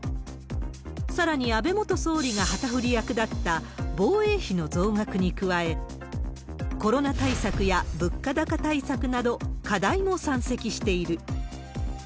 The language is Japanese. さらに安倍元総理が旗振り役だった防衛費の増額に加え、コロナ対策や物価高対策など、課題も山積している。